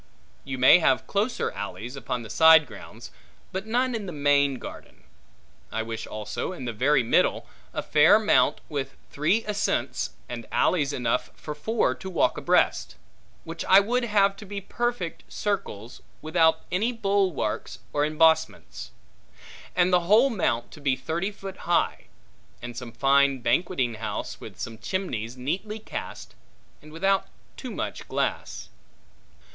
You may have closer alleys, upon the side grounds, but none in the main garden. I wish also, in the very middle, a fair mount, with three ascents, and alleys, enough for four to walk abreast; which I would have to be perfect circles, without any bulwarks or embossments; and the whole mount to be thirty foot high; and some fine banqueting house, with some chimneys neatly cast, and without too much glass.